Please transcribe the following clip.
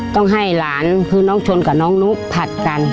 ต้องให้หลานคือน้องชนกับน้องนุผัดกัน